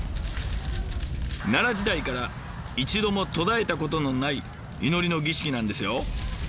奈良時代から一度も途絶えたことのない祈りの儀式なんですよ。